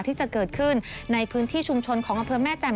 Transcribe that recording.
ที่จะเกิดขึ้นในพื้นที่ชุมชนของอำเภอแม่แจ่